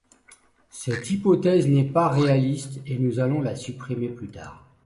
Cette hypothèse n'est pas réaliste et nous allons la supprimer plus tard.